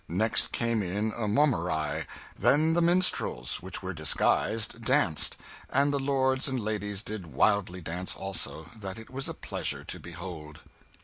Next came in a mommarye. Then the minstrels, which were disguised, danced; and the lords and ladies did wildly dance also, that it was a pleasure to behold.